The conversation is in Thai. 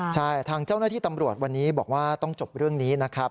ใช่ทางเจ้าหน้าที่ตำรวจวันนี้บอกว่าต้องจบเรื่องนี้นะครับ